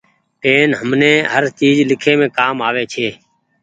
پين همني هر چيز ليکيم ڪآم آوي ڇي۔